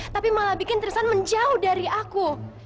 tapi malah bikin trisan menjauh dari aku